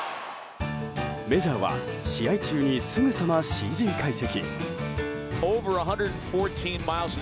メジャーは試合中にすぐさまＣＧ解析。